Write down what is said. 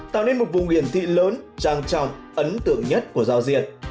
tạo nên một vùng hiển thị lớn trang trọng ấn tượng nhất của giao diện